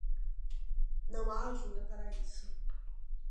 Não há ajuda para isso.